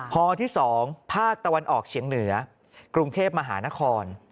ฮที่๒ภาคตะวันออกเฉียงเหนือกรุงเทพมหานคร